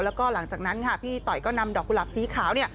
แล้วก็หลังจากนั้นพี่ต๋อยก็นำดอกกุหลับสีขาว